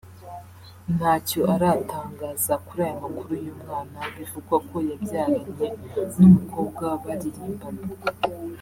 ntacyo aratangaza kuri aya makuru y’umwana bivugwa ko yabyaranye n’umukobwa baririmbanye